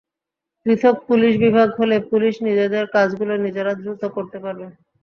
পৃথক পুলিশ বিভাগ হলে পুলিশ নিজেদের কাজগুলো নিজেরা দ্রুত করতে পারবে।